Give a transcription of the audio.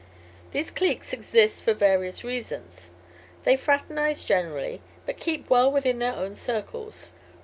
These cliques exist for various reasons. They fraternize generally, but keep well within their own circles.